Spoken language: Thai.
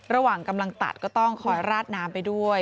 ระหว่างกำลังตัดก็ต้องคอยราดน้ำไปด้วย